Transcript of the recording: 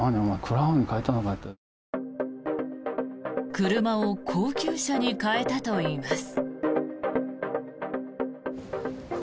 車を高級車に買い替えたといいます。